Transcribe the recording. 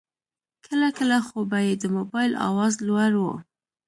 کله کله خو به یې د موبایل آواز لوړ و.